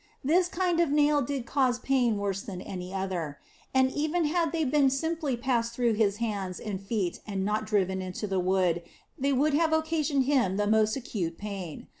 This kind of nail did cause pain worse than any other ; and even had they been simply passed through His hands and feet and not driven into the wood, they would have occasioned the most acute pain.